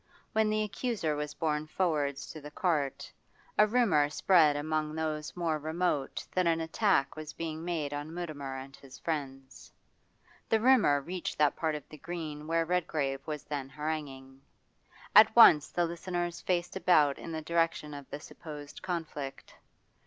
When the accuser was borne forwards to the cart, a rumour spread among those more remote that an attack was being made on Mutimer and his friends. The rumour reached that part of the Green where Redgrave was then haranguing. At once the listeners faced about in the direction of the supposed conflict.